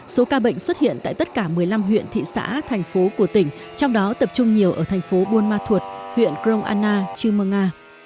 số ca bệnh xuất hiện tại tất cả một mươi năm huyện thị xã thành phố của tỉnh trong đó tập trung nhiều ở thành phố buôn ma thuột huyện krong anna chư mơ nga